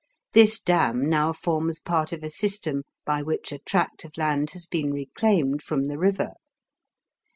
This dam now forms part of a system by which a tract of land has been reclaimed from the river.